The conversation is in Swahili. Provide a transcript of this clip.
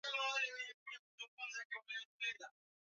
Kujia dawa yako leo jioni